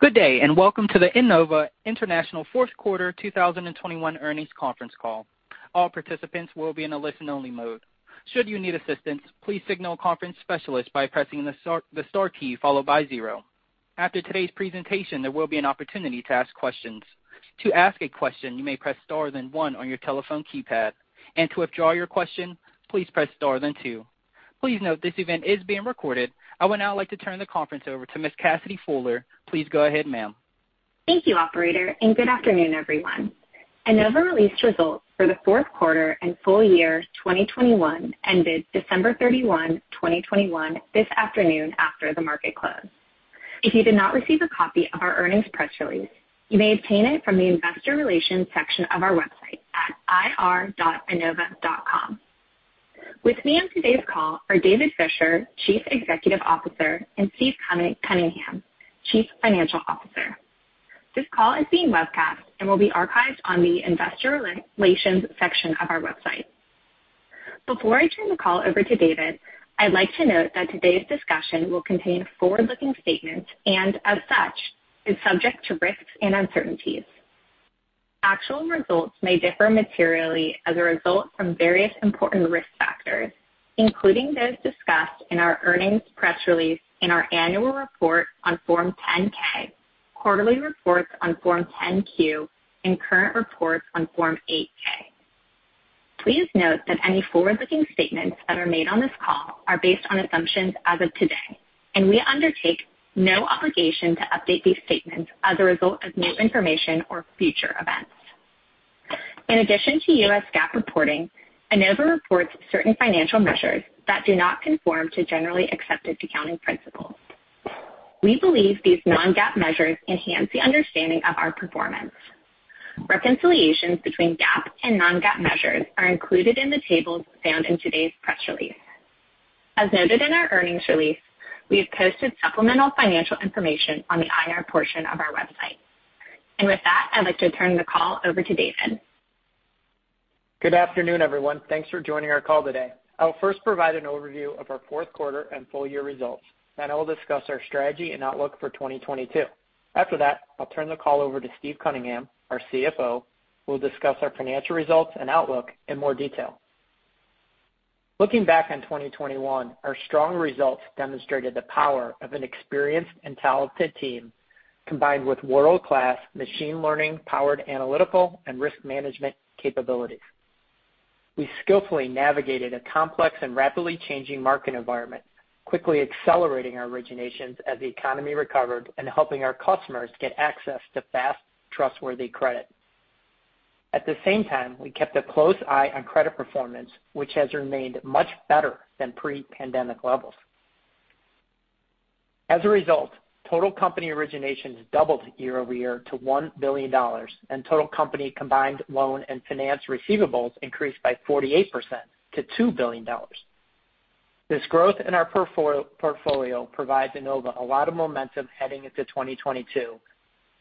Good day, and welcome to the Enova International Fourth Quarter 2021 Earnings Conference Call. All participants will be in a listen-only mode. Should you need assistance, please signal a conference specialist by pressing the star key followed by zero. After today's presentation, there will be an opportunity to ask questions. To ask a question, you may press star then one on your telephone keypad. To withdraw your question, please press star then two. Please note this event is being recorded. I would now like to turn the conference over to Miss Cassidy Fuller. Please go ahead, ma'am. Thank you, operator, and good afternoon, everyone. Enova released results for the fourth quarter and full year 2021, ended December 31, 2021 this afternoon after the market closed. If you did not receive a copy of our earnings press release, you may obtain it from the investor relations section of our website at ir.enova.com. With me on today's call are David Fisher, Chief Executive Officer, and Steve Cunningham, Chief Financial Officer. This call is being webcast and will be archived on the investor relations section of our website. Before I turn the call over to David, I'd like to note that today's discussion will contain forward-looking statements and as such, is subject to risks and uncertainties. Actual results may differ materially as a result from various important risk factors, including those discussed in our earnings press release in our annual report on Form 10-K, quarterly reports on Form 10-Q, and current reports on Form 8-K. Please note that any forward-looking statements that are made on this call are based on assumptions as of today, and we undertake no obligation to update these statements as a result of new information or future events. In addition to U.S. GAAP reporting, Enova reports certain financial measures that do not conform to generally accepted accounting principles. We believe these non-GAAP measures enhance the understanding of our performance. Reconciliations between GAAP and non-GAAP measures are included in the tables found in today's press release. As noted in our earnings release, we have posted supplemental financial information on the IR portion of our website. With that, I'd like to turn the call over to David. Good afternoon, everyone. Thanks for joining our call today. I will first provide an overview of our fourth quarter and full year results, then I will discuss our strategy and outlook for 2022. After that, I'll turn the call over to Steve Cunningham, our CFO, who will discuss our financial results and outlook in more detail. Looking back on 2021, our strong results demonstrated the power of an experienced and talented team, combined with world-class machine learning-powered analytical and risk management capabilities. We skillfully navigated a complex and rapidly changing market environment, quickly accelerating our originations as the economy recovered and helping our customers get access to fast, trustworthy credit. At the same time, we kept a close eye on credit performance, which has remained much better than pre-pandemic levels. As a result, total company originations doubled year-over-year to $1 billion, and total company combined loan and finance receivables increased by 48%-$2 billion. This growth in our portfolio provides Enova a lot of momentum heading into 2022,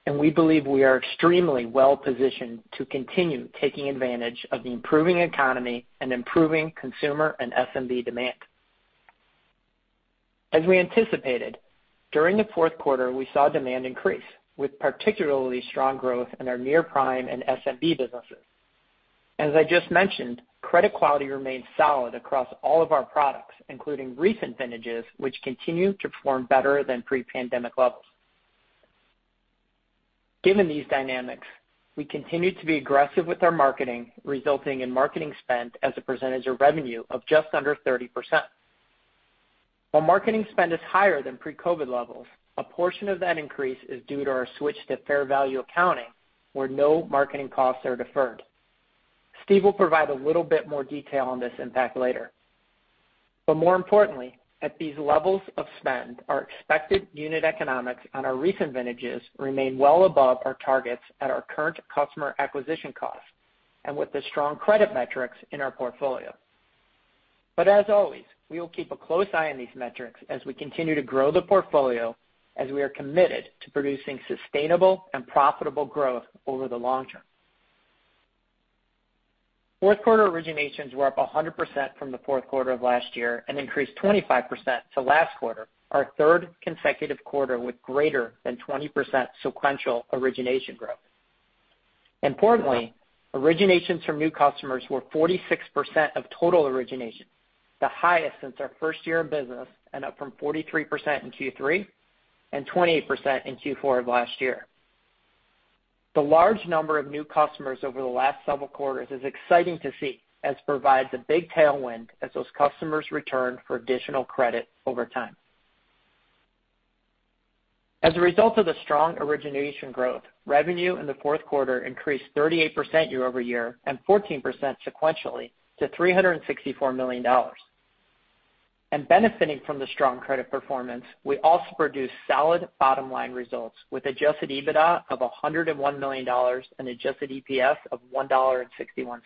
and we believe we are extremely well-positioned to continue taking advantage of the improving economy and improving consumer and SMB demand. As we anticipated, during the fourth quarter, we saw demand increase, with particularly strong growth in our near-prime and SMB businesses. As I just mentioned, credit quality remains solid across all of our products, including recent vintages, which continue to perform better than pre-pandemic levels. Given these dynamics, we continue to be aggressive with our marketing, resulting in marketing spend as a percentage of revenue of just under 30%. While marketing spend is higher than pre-COVID levels, a portion of that increase is due to our switch to fair value accounting, where no marketing costs are deferred. Steve will provide a little bit more detail on this impact later. More importantly, at these levels of spend, our expected unit economics on our recent vintages remain well above our targets at our current customer acquisition costs and with the strong credit metrics in our portfolio. As always, we will keep a close eye on these metrics as we continue to grow the portfolio as we are committed to producing sustainable and profitable growth over the long term. Fourth quarter originations were up 100% from the fourth quarter of last year and increased 25% from last quarter, our third consecutive quarter with greater than 20% sequential origination growth. Importantly, originations from new customers were 46% of total originations, the highest since our first year of business and up from 43% in Q3 and 28% in Q4 of last year. The large number of new customers over the last several quarters is exciting to see, as it provides a big tailwind as those customers return for additional credit over time. As a result of the strong origination growth, revenue in the fourth quarter increased 38% year-over-year and 14% sequentially to $364 million. Benefiting from the strong credit performance, we also produced solid bottom-line results with Adjusted EBITDA of $101 million and Adjusted EPS of $1.61.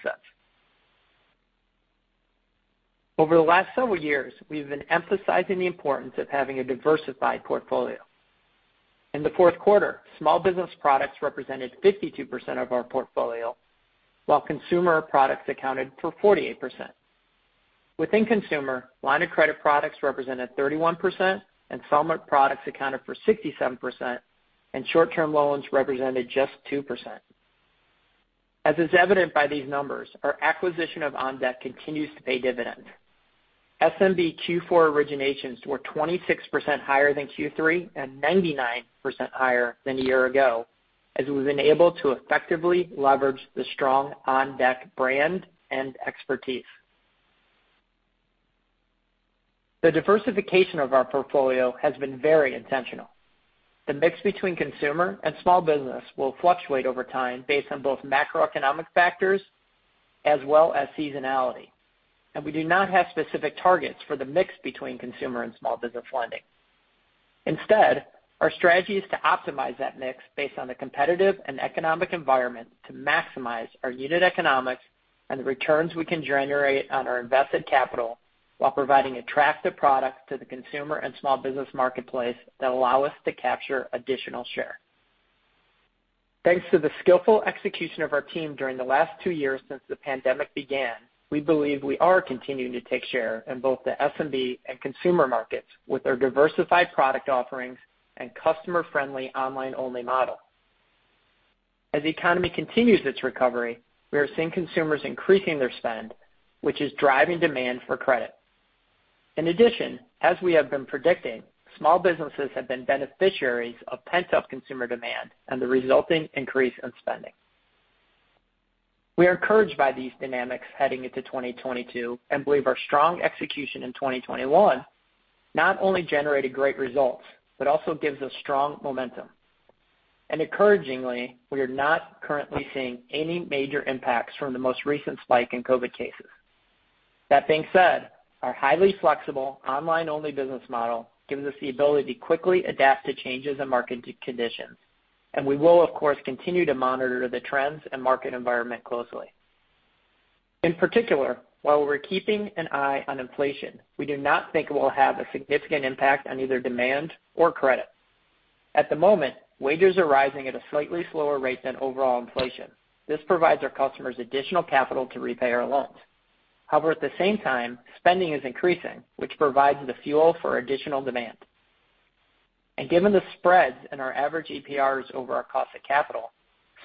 Over the last several years, we've been emphasizing the importance of having a diversified portfolio. In the fourth quarter, small business products represented 52% of our portfolio, while consumer products accounted for 48%. Within consumer, line of credit products represented 31%, installment products accounted for 67%, and short-term loans represented just 2%. As is evident by these numbers, our acquisition of OnDeck continues to pay dividends. SMB Q4 originations were 26% higher than Q3 and 99% higher than a year ago, as we've been able to effectively leverage the strong OnDeck brand and expertise. The diversification of our portfolio has been very intentional. The mix between consumer and small business will fluctuate over time based on both macroeconomic factors as well as seasonality, and we do not have specific targets for the mix between consumer and small business lending. Instead, our strategy is to optimize that mix based on the competitive and economic environment to maximize our unit economics and the returns we can generate on our invested capital while providing attractive products to the consumer and small business marketplace that allow us to capture additional share. Thanks to the skillful execution of our team during the last two years since the pandemic began, we believe we are continuing to take share in both the SMB and consumer markets with our diversified product offerings and customer-friendly online-only model. As the economy continues its recovery, we are seeing consumers increasing their spend, which is driving demand for credit. In addition, as we have been predicting, small businesses have been beneficiaries of pent-up consumer demand and the resulting increase in spending. We are encouraged by these dynamics heading into 2022 and believe our strong execution in 2021 not only generated great results, but also gives us strong momentum. Encouragingly, we are not currently seeing any major impacts from the most recent spike in COVID cases. That being said, our highly flexible online-only business model gives us the ability to quickly adapt to changes in market conditions, and we will of course continue to monitor the trends and market environment closely. In particular, while we're keeping an eye on inflation, we do not think it will have a significant impact on either demand or credit. At the moment, wages are rising at a slightly slower rate than overall inflation. This provides our customers additional capital to repay our loans. However, at the same time, spending is increasing, which provides the fuel for additional demand. Given the spreads in our average APRs over our cost of capital,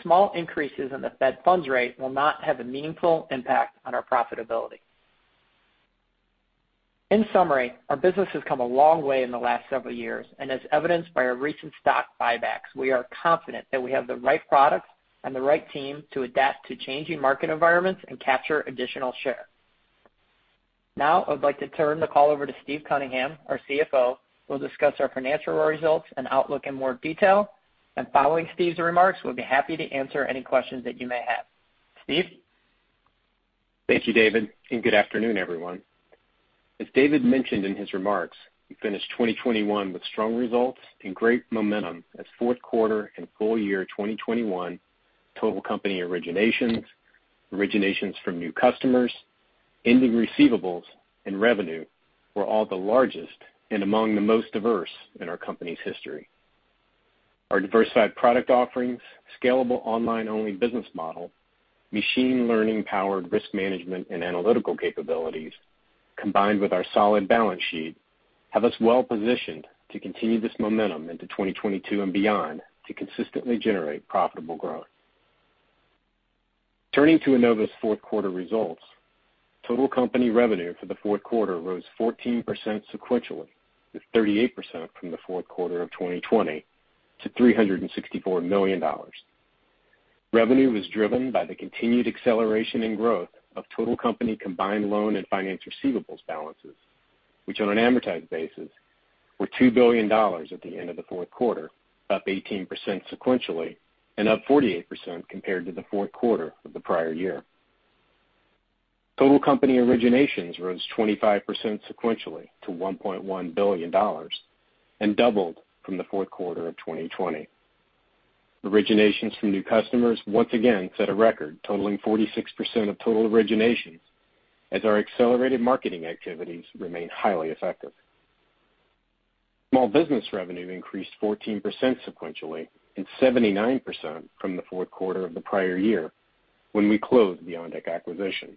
small increases in the Federal funds rate will not have a meaningful impact on our profitability. In summary, our business has come a long way in the last several years, and as evidenced by our recent stock buybacks, we are confident that we have the right products and the right team to adapt to changing market environments and capture additional share. Now I would like to turn the call over to Steve Cunningham, our CFO, who will discuss our financial results and outlook in more detail. Following Steve's remarks, we'll be happy to answer any questions that you may have. Steve? Thank you, David, and good afternoon, everyone. As David mentioned in his remarks, we finished 2021 with strong results and great momentum as fourth quarter and full year 2021 total company originations, originations from new customers, ending receivables, and revenue were all the largest and among the most diverse in our company's history. Our diversified product offerings, scalable online-only business model, machine learning-powered risk management and analytical capabilities, combined with our solid balance sheet, have us well-positioned to continue this momentum into 2022 and beyond to consistently generate profitable growth. Turning to Enova's fourth quarter results, total company revenue for the fourth quarter rose 14% sequentially, with 38% from the fourth quarter of 2020 to $364 million. Revenue was driven by the continued acceleration in growth of total company-combined loan and finance receivables balances, which on an amortized basis were $2 billion at the end of the fourth quarter, up 18% sequentially and up 48% compared to the fourth quarter of the prior year. Total company originations rose 25% sequentially to $1.1 billion and doubled from the fourth quarter of 2020. Originations from new customers once again set a record totaling 46% of total originations as our accelerated marketing activities remain highly effective. Small business revenue increased 14% sequentially and 79% from the fourth quarter of the prior year when we closed the OnDeck acquisition.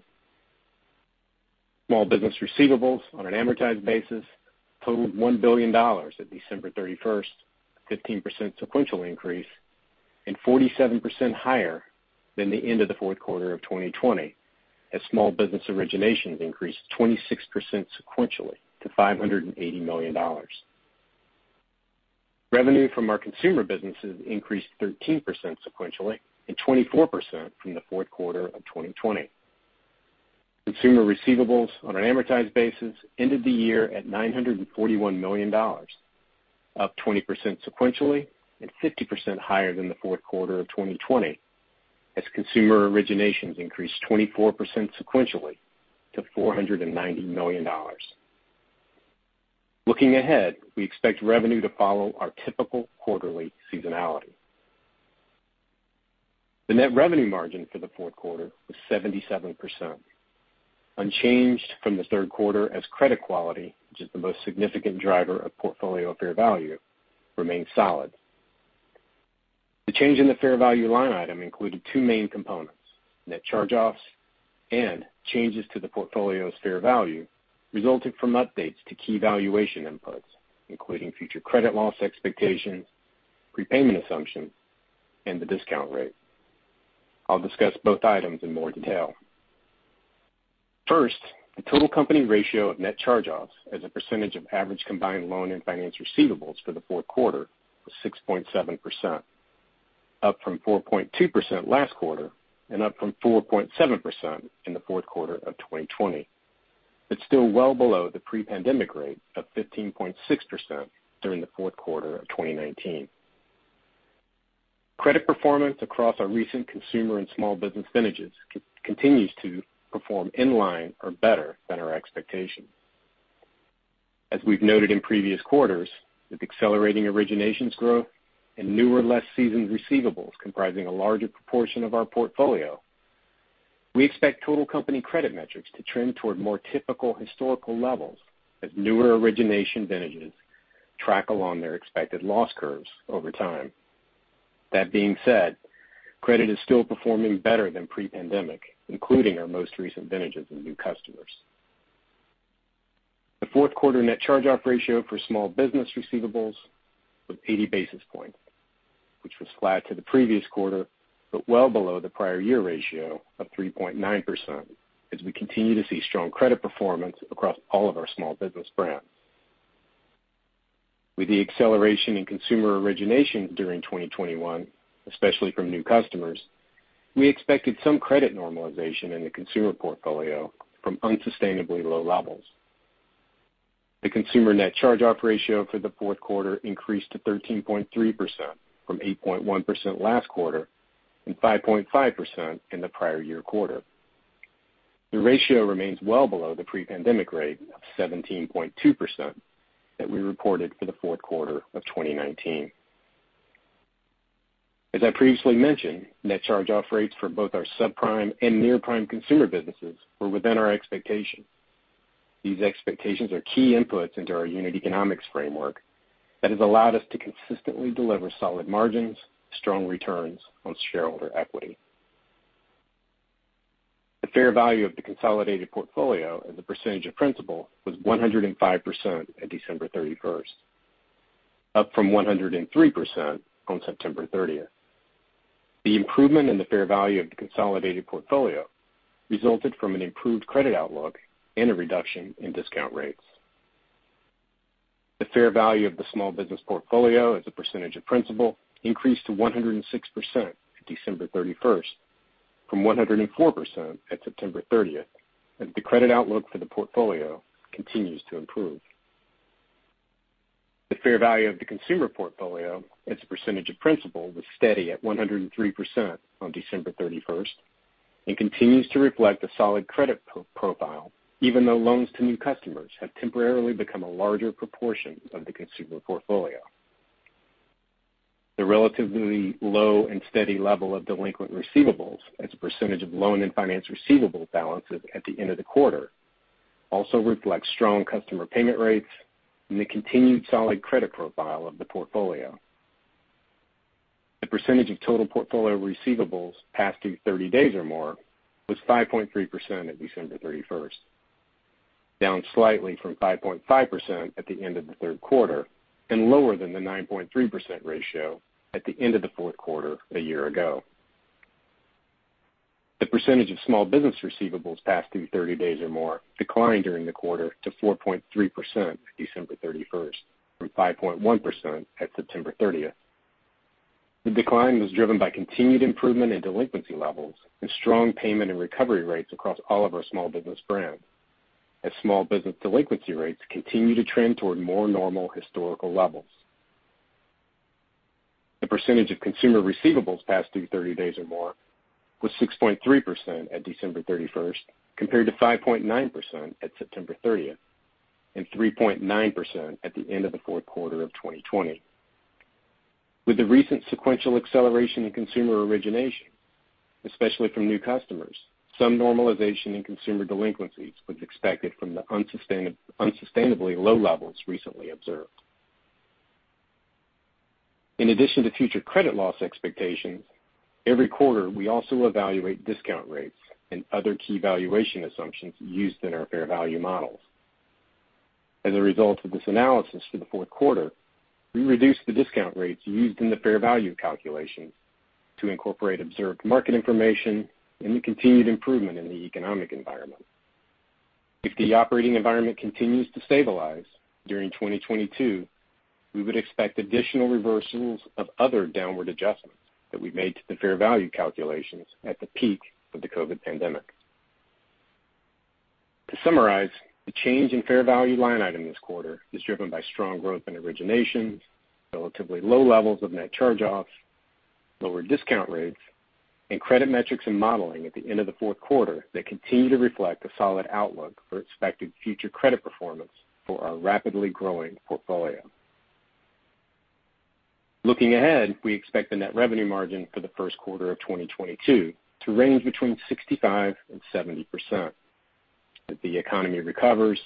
Small business receivables on an amortized basis totaled $1 billion at December 31st, a 15% sequential increase, and 47% higher than the end of the fourth quarter of 2020 as small business originations increased 26% sequentially to $580 million. Revenue from our consumer businesses increased 13% sequentially and 24% from the fourth quarter of 2020. Consumer receivables on an amortized basis ended the year at $941 million, up 20% sequentially and 50% higher than the fourth quarter of 2020 as consumer originations increased 24% sequentially to $490 million. Looking ahead, we expect revenue to follow our typical quarterly seasonality. The Net profit margin for the fourth quarter was 77%, unchanged from the third quarter as credit quality, which is the most significant driver of portfolio fair value, remained solid. The change in the fair value line item included two main components, net charge-offs and changes to the portfolio's fair value resulting from updates to key valuation inputs, including future credit loss expectations, prepayment assumptions, and the discount rate. I'll discuss both items in more detail. First, the total company ratio of net charge-offs as a percentage of average combined loan and finance receivables for the fourth quarter was 6.7%, up from 4.2% last quarter and up from 4.7% in the fourth quarter of 2020. It's still well below the pre-pandemic rate of 15.6% during the fourth quarter of 2019. Credit performance across our recent consumer and small business vintages continues to perform in line or better than our expectations. As we've noted in previous quarters, with accelerating originations growth and newer, less seasoned receivables comprising a larger proportion of our portfolio, we expect total company credit metrics to trend toward more typical historical levels as newer origination vintages track along their expected loss curves over time. That being said, credit is still performing better than pre-pandemic, including our most recent vintages and new customers. The fourth quarter net charge-off ratio for small business receivables was 80 basis points, which was flat to the previous quarter, but well below the prior year ratio of 3.9% as we continue to see strong credit performance across all of our small business brands. With the acceleration in consumer origination during 2021, especially from new customers, we expected some credit normalization in the consumer portfolio from unsustainably low levels. The consumer net charge-off ratio for the fourth quarter increased to 13.3% from 8.1% last quarter and 5.5% in the prior year quarter. The ratio remains well below the pre-pandemic rate of 17.2% that we reported for the fourth quarter of 2019. As I previously mentioned, net charge-off rates for both our subprime and near-prime consumer businesses were within our expectations. These expectations are key inputs into our unit economics framework that has allowed us to consistently deliver solid margins, strong returns on shareholder equity. The fair value of the consolidated portfolio as a percentage of principal was 105% at December 31st, up from 103% on September 30th. The improvement in the fair value of the consolidated portfolio resulted from an improved credit outlook and a reduction in discount rates. The fair value of the small business portfolio as a percentage of principal increased to 106% at December 31st from 104% at September 30th, and the credit outlook for the portfolio continues to improve. The fair value of the consumer portfolio as a percentage of principal was steady at 103% on December 31st and continues to reflect a solid credit profile, even though loans to new customers have temporarily become a larger proportion of the consumer portfolio. The relatively low and steady level of delinquent receivables as a percentage of loan and finance receivable balances at the end of the quarter also reflects strong customer payment rates and the continued solid credit profile of the portfolio. The percentage of total portfolio receivables past due 30 days or more was 5.3% at December 31st, down slightly from 5.5% at the end of the third quarter and lower than the 9.3% ratio at the end of the fourth quarter a year ago. The percentage of small business receivables past due 30 days or more declined during the quarter to 4.3% at December 31st from 5.1% at September 30th. The decline was driven by continued improvement in delinquency levels and strong payment and recovery rates across all of our small business brands as small business delinquency rates continue to trend toward more normal historical levels. The percentage of consumer receivables past due 30 days or more was 6.3% at December 31st, compared to 5.9% at September 30th and 3.9% at the end of the fourth quarter of 2020. With the recent sequential acceleration in consumer origination, especially from new customers, some normalization in consumer delinquencies was expected from the unsustainably low levels recently observed. In addition to future credit loss expectations, every quarter we also evaluate discount rates and other key valuation assumptions used in our fair value models. As a result of this analysis for the fourth quarter, we reduced the discount rates used in the fair value calculations to incorporate observed market information and the continued improvement in the economic environment. If the operating environment continues to stabilize during 2022, we would expect additional reversals of other downward adjustments that we made to the fair value calculations at the peak of the COVID pandemic. To summarize, the change in fair value line item this quarter is driven by strong growth in originations, relatively low levels of net charge-offs, lower discount rates, and credit metrics and modeling at the end of the fourth quarter that continue to reflect a solid outlook for expected future credit performance for our rapidly growing portfolio. Looking ahead, we expect the net profit margin for the first quarter of 2022 to range between 65% and 70%. As the economy recovers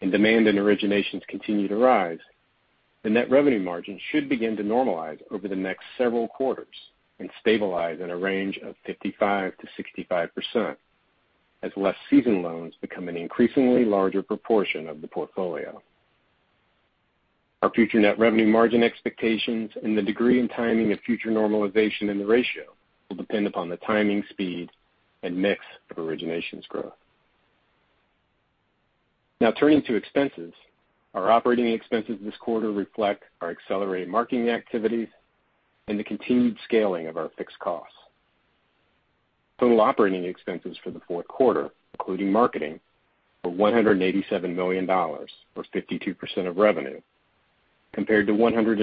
and demand and originations continue to rise, the net profit margin should begin to normalize over the next several quarters and stabilize in a range of 55%-65% as less seasoned loans become an increasingly larger proportion of the portfolio. Our future net profit margin expectations and the degree and timing of future normalization in the ratio will depend upon the timing, speed, and mix of originations growth. Now turning to expenses. Our operating expenses this quarter reflect our accelerated marketing activities and the continued scaling of our fixed costs. Total operating expenses for the fourth quarter, including marketing, were $187 million, or 52% of revenue, compared to $115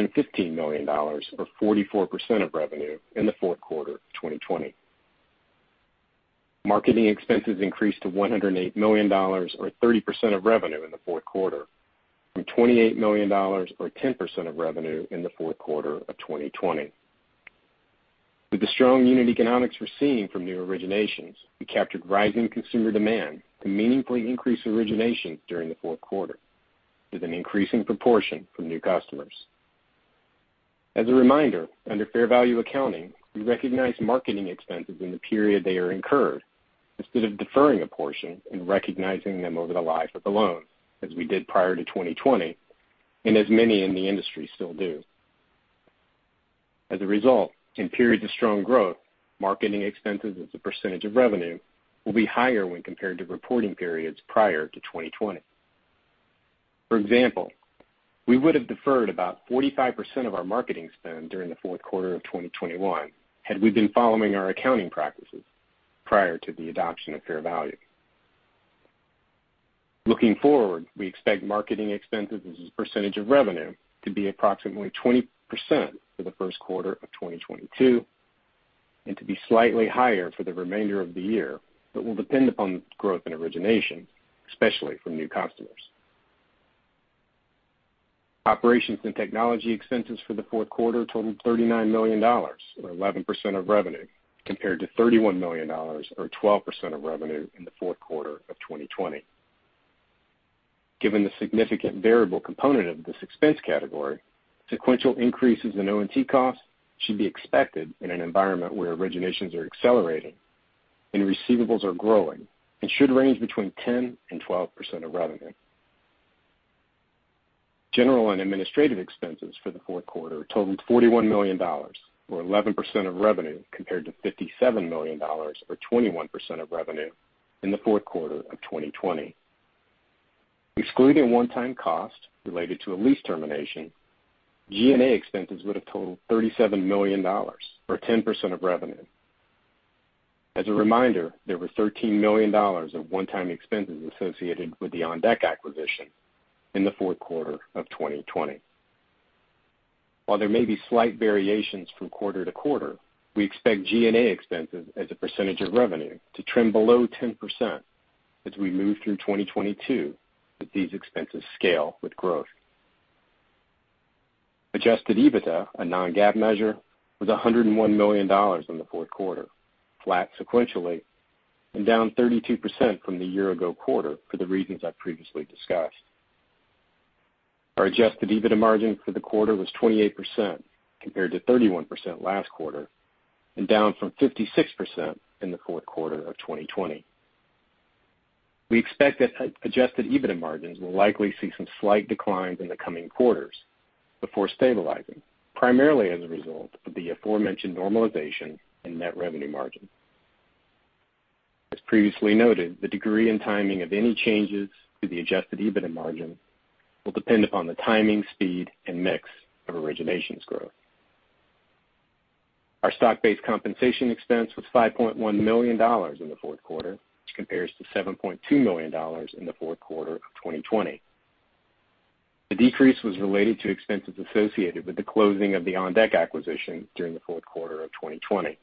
million or 44% of revenue in the fourth quarter of 2020. Marketing expenses increased to $108 million or 30% of revenue in the fourth quarter from $28 million or 10% of revenue in the fourth quarter of 2020. With the strong unit economics we're seeing from new originations, we captured rising consumer demand to meaningfully increase originations during the fourth quarter with an increasing proportion from new customers. As a reminder, under fair value accounting, we recognize marketing expenses in the period they are incurred instead of deferring a portion and recognizing them over the life of the loan, as we did prior to 2020, and as many in the industry still do. As a result, in periods of strong growth, marketing expenses as a percentage of revenue will be higher when compared to reporting periods prior to 2020. For example, we would have deferred about 45% of our marketing spend during the fourth quarter of 2021 had we been following our accounting practices prior to the adoption of fair value. Looking forward, we expect marketing expenses as a percentage of revenue to be approximately 20% for the first quarter of 2022, and to be slightly higher for the remainder of the year, but will depend upon growth and origination, especially from new customers. Operations and technology expenses for the fourth quarter totaled $39 million, or 11% of revenue, compared to $31 million or 12% of revenue in the fourth quarter of 2020. Given the significant variable component of this expense category, sequential increases in O&T costs should be expected in an environment where originations are accelerating and receivables are growing and should range between 10% and 12% of revenue. General and administrative expenses for the fourth quarter totaled $41 million or 11% of revenue compared to $57 million or 21% of revenue in the fourth quarter of 2020. Excluding one-time costs related to a lease termination, G&A expenses would have totaled $37 million, or 10% of revenue. As a reminder, there was $13 million of one-time expenses associated with the OnDeck acquisition in the fourth quarter of 2020. While there may be slight variations from quarter to quarter, we expect G&A expenses as a percentage of revenue to trim below 10% as we move through 2022 as these expenses scale with growth. Adjusted EBITDA, a non-GAAP measure, was $101 million in the fourth quarter, flat sequentially and down 32% from the year-ago quarter for the reasons I previously discussed. Our Adjusted EBITDA margin for the quarter was 28% compared to 31% last quarter and down from 56% in the fourth quarter of 2020. We expect that adjusted EBITDA margins will likely see some slight declines in the coming quarters before stabilizing, primarily as a result of the aforementioned normalization in net revenue margin. As previously noted, the degree and timing of any changes to the adjusted EBITDA margin will depend upon the timing, speed, and mix of originations growth. Our stock-based compensation expense was $5.1 million in the fourth quarter, which compares to $7.2 million in the fourth quarter of 2020. The decrease was related to expenses associated with the closing of the OnDeck acquisition during the fourth quarter of 2020.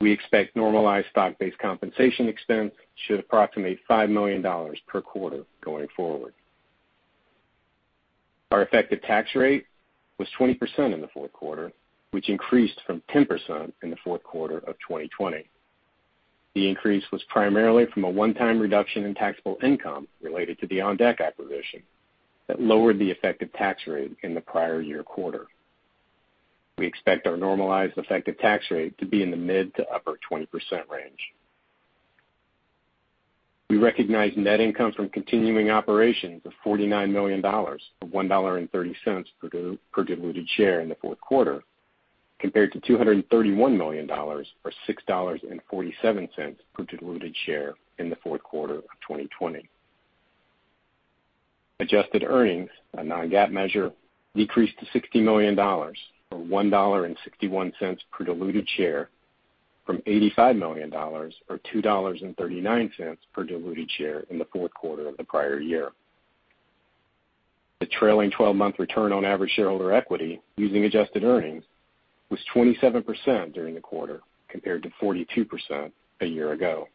We expect normalized stock-based compensation expense should approximate $5 million per quarter going forward. Our effective tax rate was 20% in the fourth quarter, which increased from 10% in the fourth quarter of 2020. The increase was primarily from a one-time reduction in taxable income related to the OnDeck acquisition that lowered the effective tax rate in the prior year quarter. We expect our normalized effective tax rate to be in the mid to upper-20% range. We recognize net income from continuing operations of $49 million, or $1.30 per diluted share in the fourth quarter, compared to $231 million or $6.47 per diluted share in the fourth quarter of 2020. Adjusted earnings, a non-GAAP measure, decreased to $60 million, or $1.61 per diluted share from $85 million or $2.39 per diluted share in the fourth quarter of the prior year. The trailing 12-month return on average shareholder equity using adjusted earnings was 27% during the quarter, compared to 42% a year ago.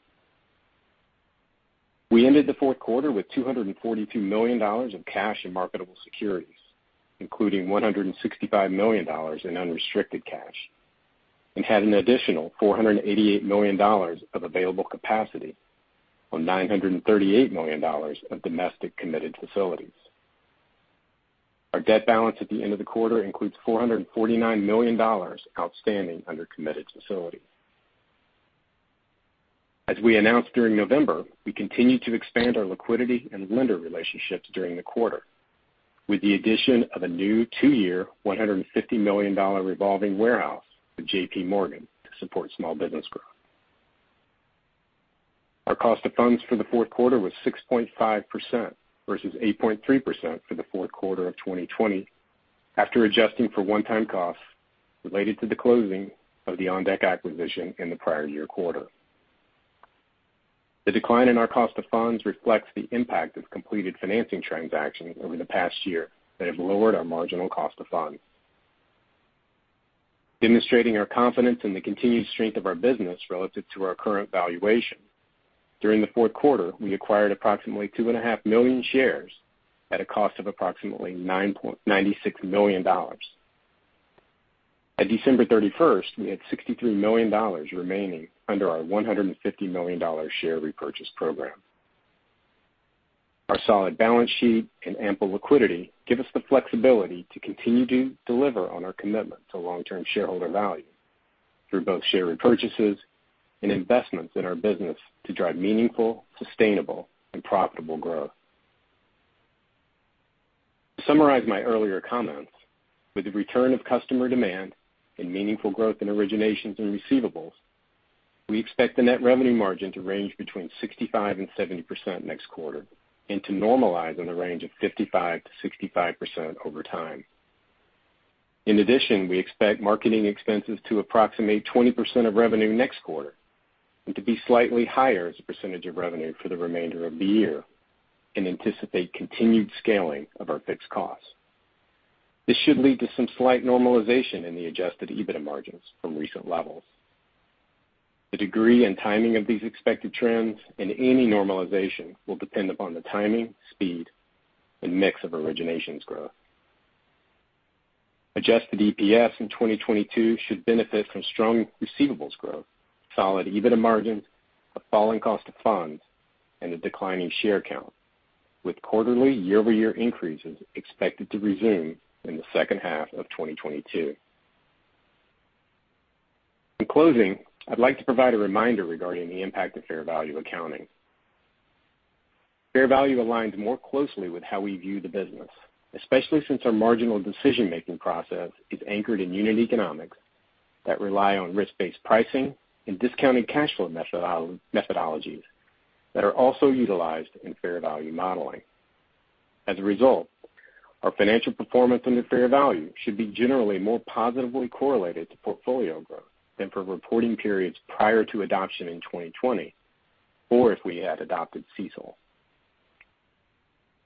We ended the fourth quarter with $242 million of cash and marketable securities, including $165 million in unrestricted cash. We had an additional $488 million of available capacity on $938 million of domestic committed facilities. Our debt balance at the end of the quarter includes $449 million outstanding under committed facilities. As we announced during November, we continued to expand our liquidity and lender relationships during the quarter with the addition of a new two-year $150 million revolving warehouse with JPMorgan to support small business growth. Our cost of funds for the fourth quarter was 6.5% versus 8.3% for the fourth quarter of 2020 after adjusting for one-time costs related to the closing of the OnDeck acquisition in the prior year quarter. The decline in our cost of funds reflects the impact of completed financing transactions over the past year that have lowered our marginal cost of funds. Demonstrating our confidence in the continued strength of our business relative to our current valuation, during the fourth quarter, we acquired approximately 2.5 million shares at a cost of approximately $96 million. At December 31st, we had $63 million remaining under our $150 million share repurchase program. Our solid balance sheet and ample liquidity give us the flexibility to continue to deliver on our commitment to long-term shareholder value through both share repurchases and investments in our business to drive meaningful, sustainable, and profitable growth. To summarize my earlier comments, with the return of customer demand and meaningful growth in originations and receivables, we expect the net revenue margin to range between 65% and 70% next quarter and to normalize in the range of 55%-65% over time. In addition, we expect marketing expenses to approximate 20% of revenue next quarter and to be slightly higher as a percentage of revenue for the remainder of the year and anticipate continued scaling of our fixed costs. This should lead to some slight normalization in the Adjusted EBITDA margins from recent levels. The degree and timing of these expected trends and any normalization will depend upon the timing, speed, and mix of originations growth. Adjusted EPS in 2022 should benefit from strong receivables growth, solid EBITDA margins, a falling cost of funds, and a declining share count, with quarterly year-over-year increases expected to resume in the second half of 2022. In closing, I'd like to provide a reminder regarding the impact of fair value accounting. Fair value aligns more closely with how we view the business, especially since our marginal decision-making process is anchored in unit economics that rely on risk-based pricing and discounted cash flow methodologies that are also utilized in fair value modeling. As a result, our financial performance under fair value should be generally more positively correlated to portfolio growth than for reporting periods prior to adoption in 2020, or if we had adopted CECL.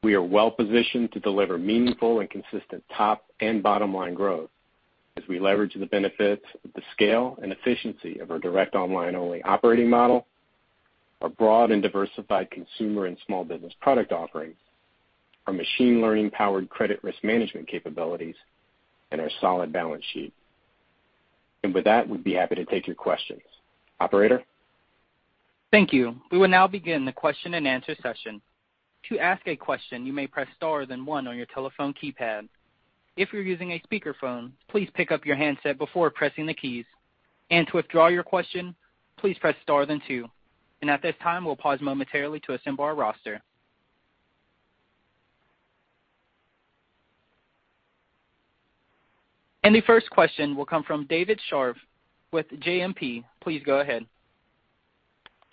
We are well-positioned to deliver meaningful and consistent top and bottom-line growth as we leverage the benefits of the scale and efficiency of our direct online-only operating model, our broad and diversified consumer and small business product offerings, our machine learning-powered credit risk management capabilities, and our solid balance sheet. With that, we'd be happy to take your questions. Operator? Thank you. We will now begin the question-and-answer session. To ask a question, you may press star then one on your telephone keypad. If you're using a speakerphone, please pick up your handset before pressing the keys. To withdraw your question, please press star then two. At this time, we'll pause momentarily to assemble our roster. The first question will come from David Scharf with JMP. Please go ahead.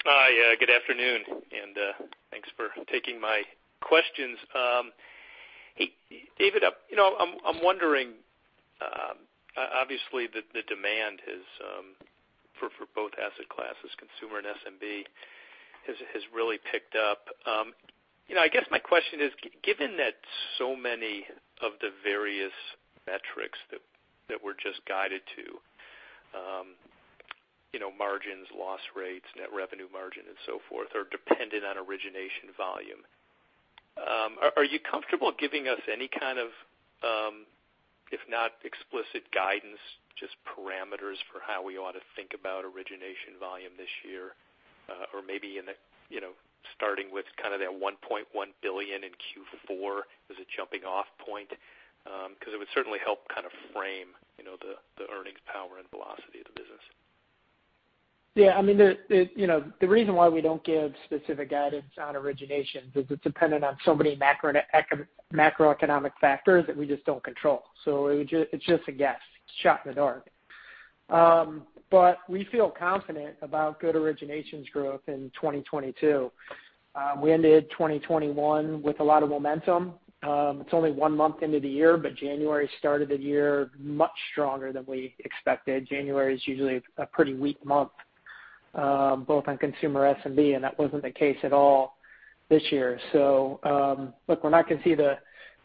Hi. Good afternoon, and thanks for taking my questions. Hey, David, I'm wondering, obviously the demand for both asset classes, consumer and SMB, has really picked up. You know, I guess my question is given that so many of the various metrics that we're just guided to, you know, margins, loss rates, net profit margin, and so forth are dependent on origination volume, are you comfortable giving us any kind of, if not explicit guidance, just parameters for how we ought to think about origination volume this year? Or maybe, you know, starting with kind of that $1.1 billion in Q4 as a jumping-off point? Because it would certainly help kind of frame, you know, the earnings power and velocity of the business. Yeah. I mean, you know, the reason why we don't give specific guidance on originations is it's dependent on so many macroeconomic factors that we just don't control. It's just a guess. It's a shot in the dark. We feel confident about good originations growth in 2022. We ended 2021 with a lot of momentum. It's only one month into the year, but January started the year much stronger than we expected. January is usually a pretty weak month, both on consumer SMB, and that wasn't the case at all this year. Look, we're not gonna see the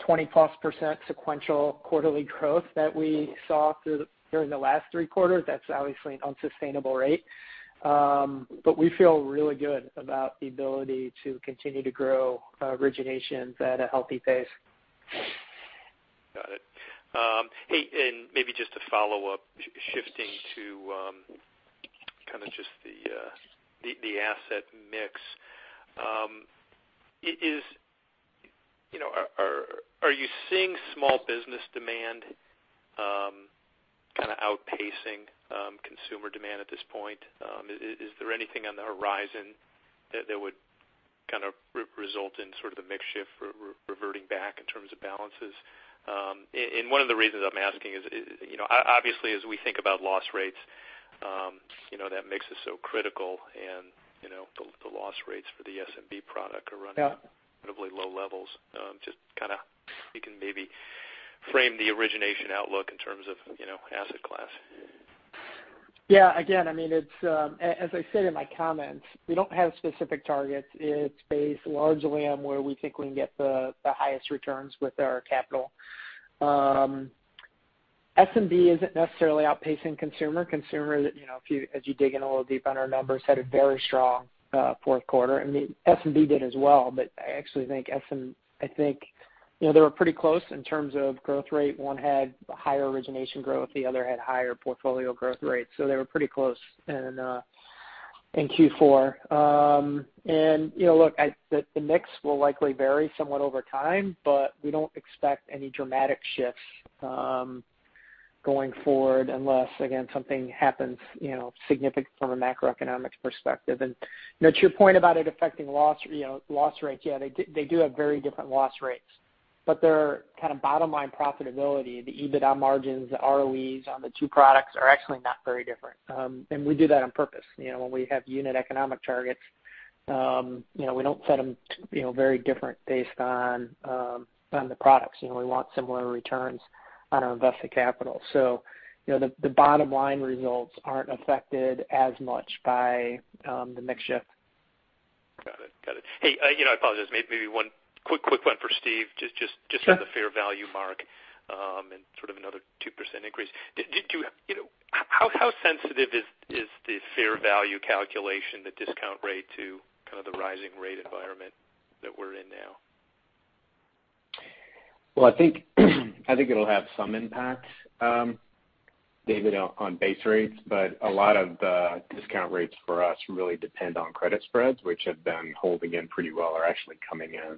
20%+ sequential quarterly growth that we saw during the last three quarters. That's obviously an unsustainable rate. We feel really good about the ability to continue to grow originations at a healthy pace. Got it. Hey, maybe just to follow up, shifting to kind of just the asset mix. You know, are you seeing small business demand kind of outpacing consumer demand at this point? Is there anything on the horizon that would kind of result in sort of the mix shift reverting back in terms of balances? One of the reasons I'm asking is, you know, obviously, as we think about loss rates, you know, that mix is so critical and, you know, the loss rates for the SMB product are running- Yeah... incredibly low levels. Just kind of if you can maybe frame the origination outlook in terms of, you know, asset class. Yeah. Again, I mean, it's, as I said in my comments, we don't have specific targets. It's based largely on where we think we can get the highest returns with our capital. SMB isn't necessarily outpacing consumer. Consumer, you know, if you, as you dig in a little deep on our numbers, had a very strong fourth quarter. I mean, SMB did as well, but I actually think I think, you know, they were pretty close in terms of growth rate. One had higher origination growth, the other had higher portfolio growth rates. So they were pretty close in Q4. And, you know, look, the mix will likely vary somewhat over time, but we don't expect any dramatic shifts going forward unless, again, something happens, you know, significant from a macroeconomic perspective. You know, to your point about it affecting loss, you know, loss rates, yeah, they do have very different loss rates. But their kind of bottom line profitability, the EBITDA margins, the ROEs on the two products are actually not very different. And we do that on purpose. You know, when we have unit economics targets, you know, we don't set them to be, you know, very different based on the products. You know, we want similar returns on our invested capital. You know, the bottom line results aren't affected as much by, the mix shift. Got it. Hey, you know, I apologize. Maybe one quick one for Steve. Just- Sure Just on the fair value mark, and sort of another 2% increase. You know, how sensitive is the fair value calculation, the discount rate to kind of the rising rate environment that we're in now? Well, I think it'll have some impact, David, on base rates. A lot of the discount rates for us really depend on credit spreads, which have been holding in pretty well or actually coming in.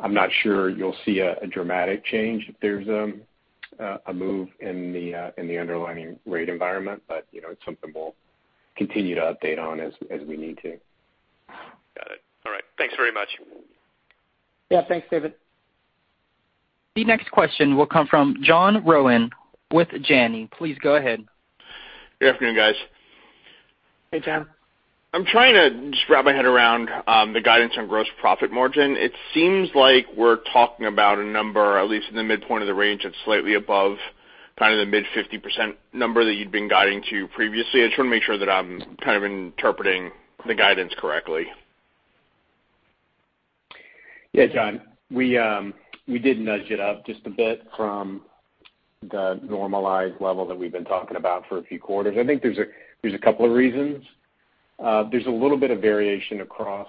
I'm not sure you'll see a dramatic change if there's a move in the underlying rate environment. You know, it's something we'll continue to update on as we need to. Got it. All right. Thanks very much. Yeah, thanks, David. The next question will come from John Rowan with Janney. Please go ahead. Good afternoon, guys. Hey, John. I'm trying to just wrap my head around the guidance on gross profit margin. It seems like we're talking about a number, at least in the midpoint of the range, that's slightly above kind of the mid-50% number that you'd been guiding to previously. I just want to make sure that I'm kind of interpreting the guidance correctly. Yeah, John, we did nudge it up just a bit from the normalized level that we've been talking about for a few quarters. I think there's a couple of reasons. There's a little bit of variation across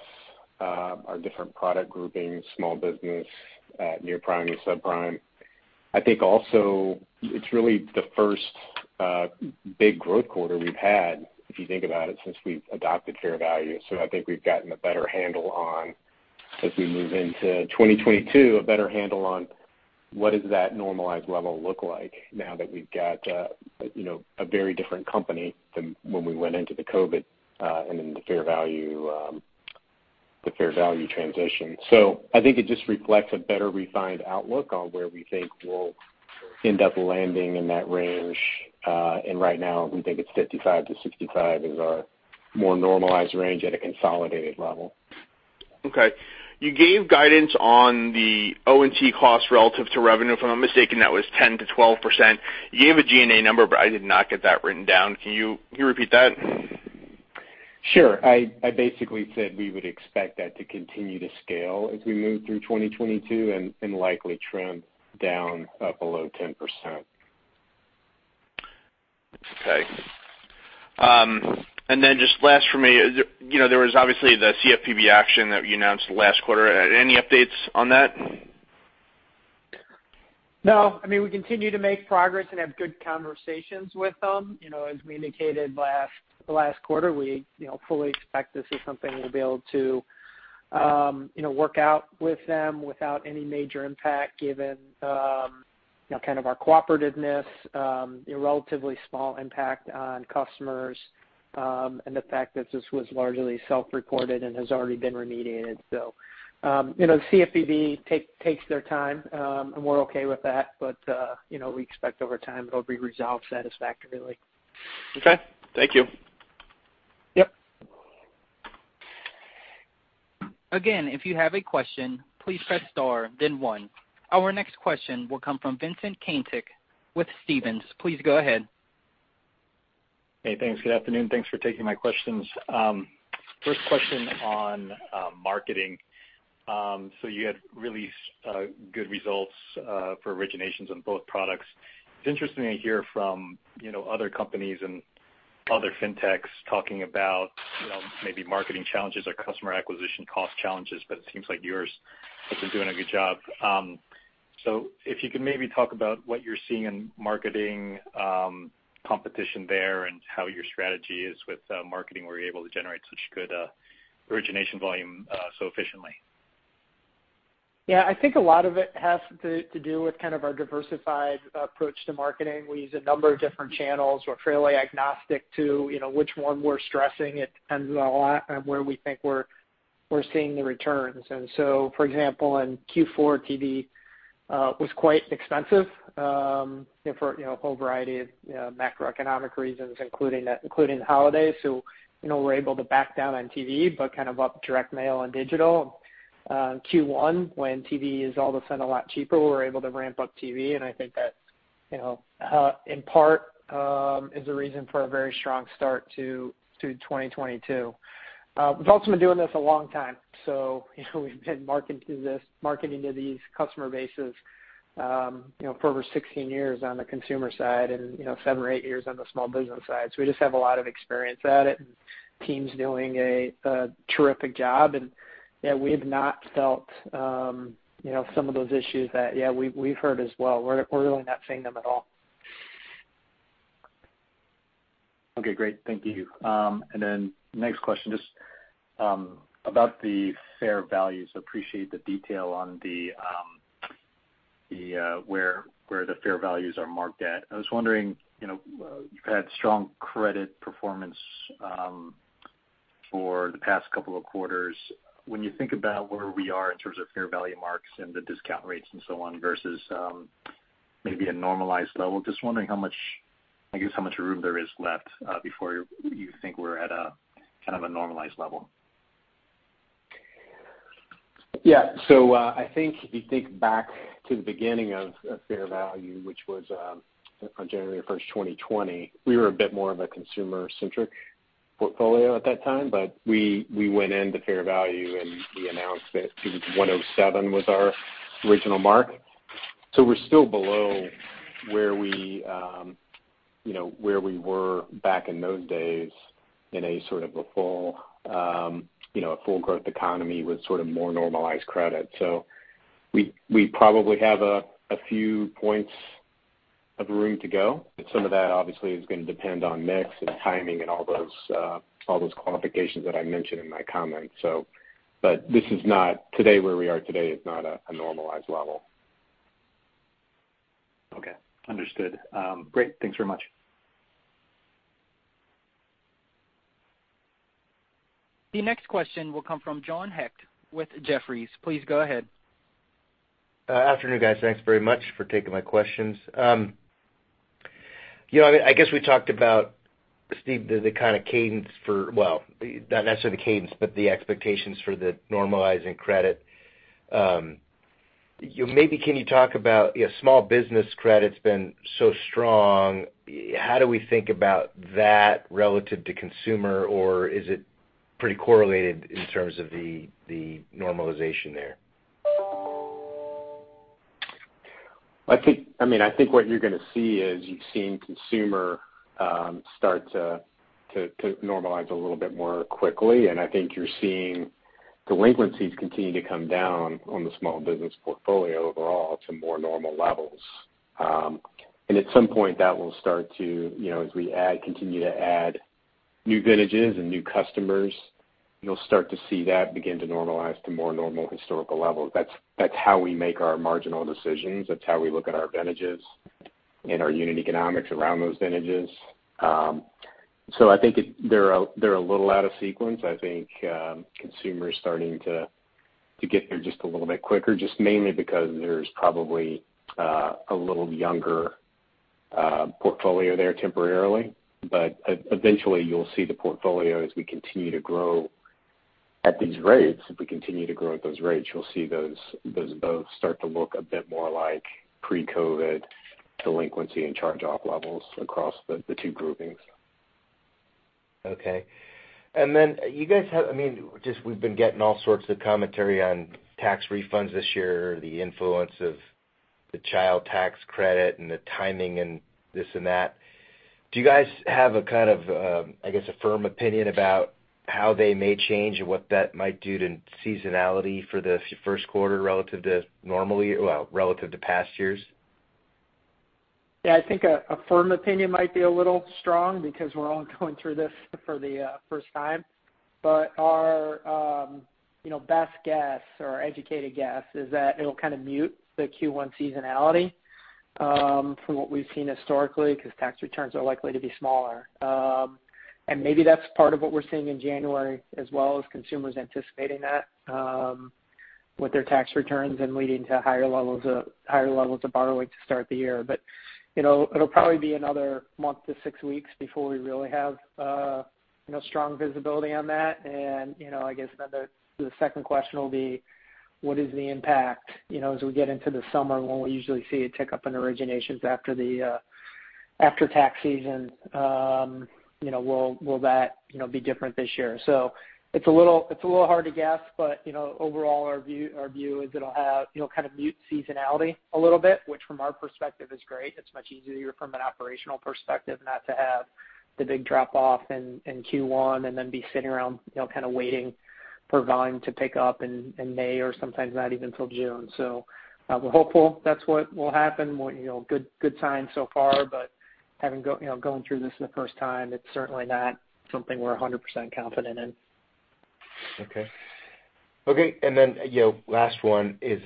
our different product groupings, small business, near-prime and subprime. I think also it's really the first big growth quarter we've had, if you think about it, since we've adopted fair value. I think we've gotten a better handle on, as we move into 2022, what does that normalized level look like now that we've got, you know, a very different company than when we went into the COVID, and then the fair value transition. I think it just reflects a better refined outlook on where we think we'll end up landing in that range. Right now we think it's 55-65 is our more normalized range at a consolidated level. Okay. You gave guidance on the O&T costs relative to revenue. If I'm not mistaken, that was 10%-12%. You gave a G&A number, but I did not get that written down. Can you repeat that? Sure. I basically said we would expect that to continue to scale as we move through 2022 and likely trend down to below 10%. Okay. Just last for me. You know, there was obviously the CFPB action that you announced last quarter. Any updates on that? No. I mean, we continue to make progress and have good conversations with them. You know, as we indicated last, the last quarter, we, you know, fully expect this is something we'll be able to, you know, work out with them without any major impact given, you know, kind of our cooperativeness, a relatively small impact on customers, and the fact that this was largely self-reported and has already been remediated. The CFPB takes their time, and we're okay with that. We expect over time it'll be resolved satisfactorily. Okay. Thank you. Yep. Again, if you have a question, please press star then one. Our next question will come from Vincent Caintic with Stephens. Please go ahead. Hey, thanks. Good afternoon. Thanks for taking my questions. First question on marketing. So you had really good results for originations on both products. It's interesting to hear from, you know, other companies and other fintechs talking about, you know, maybe marketing challenges or customer acquisition cost challenges, but it seems like yours has been doing a good job. So if you could maybe talk about what you're seeing in marketing, competition there and how your strategy is with marketing, where you're able to generate such good origination volume so efficiently. Yeah. I think a lot of it has to do with kind of our diversified approach to marketing. We use a number of different channels. We're fairly agnostic to, you know, which one we're stressing. It depends a lot on where we think we're seeing the returns. For example, in Q4, TV was quite expensive, you know, for a whole variety of, you know, macroeconomic reasons, including the holidays. You know, we're able to back down on TV, but kind of up direct mail and digital. In Q1, when TV is all of a sudden a lot cheaper, we're able to ramp up TV and I think that's, you know, in part, is the reason for a very strong start to 2022. We've also been doing this a long time. You know, we've been marketing to these customer bases, you know, for over 16 years on the consumer side and, you know, 7 or 8 years on the small business side. We just have a lot of experience at it, and teams doing a terrific job. Yeah, we've not felt, you know, some of those issues that, yeah, we've heard as well. We're really not seeing them at all. Okay, great. Thank you. Next question, just about the fair values. Appreciate the detail on the where the fair values are marked at. I was wondering, you know, you've had strong credit performance for the past couple of quarters. When you think about where we are in terms of fair value marks and the discount rates and so on versus maybe a normalized level, just wondering how much, I guess, how much room there is left before you think we're at a kind of a normalized level. Yeah. I think if you think back to the beginning of fair value, which was on January 1, 2020, we were a bit more of a consumer-centric portfolio at that time. We went into fair value, and we announced that 107 was our original mark. We're still below where we, you know, where we were back in those days in sort of a full growth economy with sort of more normalized credit. We probably have a few points of room to go, but some of that obviously is going to depend on mix and timing and all those qualifications that I mentioned in my comments. Today, where we are today is not a normalized level. Okay. Understood. Great. Thanks very much. The next question will come from John Hecht with Jefferies. Please go ahead. Afternoon, guys. Thanks very much for taking my questions. You know, I guess we talked about, Steve, not necessarily the cadence, but the expectations for the normalizing credit. You know, maybe can you talk about small business credit's been so strong. How do we think about that relative to consumer, or is it pretty correlated in terms of the normalization there? I think—I mean, I think what you're gonna see is you've seen consumer start to normalize a little bit more quickly. I think you're seeing delinquencies continue to come down on the small business portfolio overall to more normal levels. At some point, that will start to, you know, as we add, continue to add new vintages and new customers, you'll start to see that begin to normalize to more normal historical levels. That's how we make our marginal decisions. That's how we look at our vintages and our unit economics around those vintages. I think it—They're a little out of sequence. I think consumer's starting to get there just a little bit quicker, just mainly because there's probably a little younger portfolio there temporarily. Eventually, you'll see the portfolio as we continue to grow at these rates. If we continue to grow at those rates, you'll see those both start to look a bit more like pre-COVID delinquency and charge-off levels across the two groupings. Okay. You guys have—I mean, just we've been getting all sorts of commentary on tax refunds this year, the influence of the child tax credit and the timing and this and that. Do you guys have a kind of, I guess, a firm opinion about how they may change and what that might do to seasonality for the first quarter relative to normally, well, relative to past years? Yeah. I think a firm opinion might be a little strong because we're all going through this for the first time. Our best guess or educated guess is that it'll kind of mute the Q1 seasonality from what we've seen historically because tax returns are likely to be smaller. Maybe that's part of what we're seeing in January as well as consumers anticipating that with their tax returns and leading to higher levels of borrowing to start the year. You know, it'll probably be another month to six weeks before we really have, you know, strong visibility on that. You know, I guess then the second question will be, what is the impact, you know, as we get into the summer when we usually see a tick-up in originations after tax season, you know, will that be different this year? It's a little hard to guess but, you know, overall our view is it'll have, you know, kind of mute seasonality a little bit, which from our perspective is great. It's much easier from an operational perspective not to have the big drop off in Q1 and then be sitting around, you know, kind of waiting for volume to pick up in May or sometimes not even till June. We're hopeful that's what will happen. You know, good signs so far but, you know, going through this for the first time, it's certainly not something we're 100% confident in. Okay, you know, last one is, you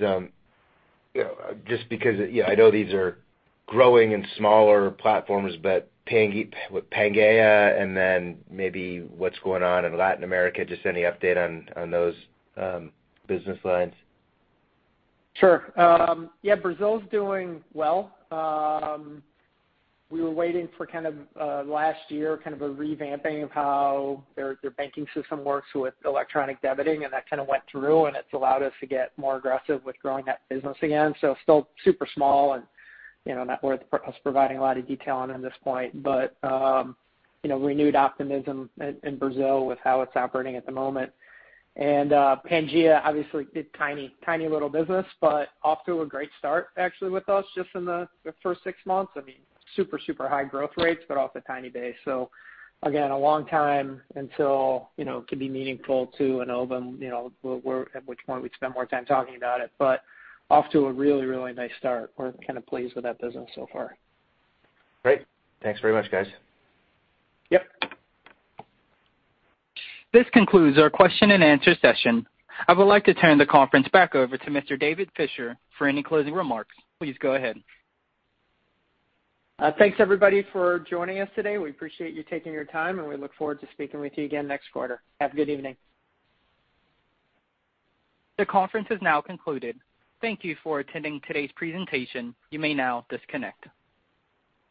know, just because, you know, I know these are growing in smaller platforms but with Pangea and then maybe what's going on in Latin America, just any update on those business lines? Sure. Yeah, Brazil's doing well. We were waiting for kind of last year kind of a revamping of how their banking system works with electronic debiting and that kind of went through and it's allowed us to get more aggressive with growing that business again. Still super small and, you know, not worth us providing a lot of detail on at this point. You know, renewed optimism in Brazil with how it's operating at the moment. Pangea obviously a tiny little business, but off to a great start actually with us just in the first six months. I mean, super high growth rates but off a tiny base. Again, a long time until, you know, it can be meaningful to Enova, you know, we're... At which point we'd spend more time talking about it, but off to a really, really nice start. We're kind of pleased with that business so far. Great. Thanks very much, guys. Yep. This concludes our question-and-answer session. I would like to turn the conference back over to Mr. David Fisher for any closing remarks. Please go ahead. Thanks everybody for joining us today. We appreciate you taking your time and we look forward to speaking with you again next quarter. Have a good evening. The conference is now concluded. Thank you for attending today's presentation. You may now disconnect.